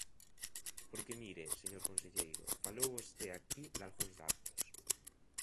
Porque mire, señor conselleiro, falou vostede aquí dalgúns datos.